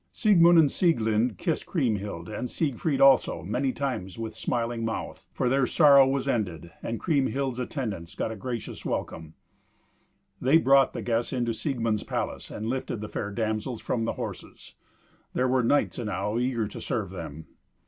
Siegmund and Sieglind kissed Kriemhild, and Siegfried also, many times with smiling mouth for their sorrow was ended; and Kriemhild's attendants got a gracious welcome. They brought the guests into Siegmund's palace, and lifted the fair damsels from the horses. There were knights enow eager to serve them.